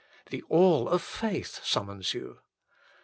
The All of faith summons you.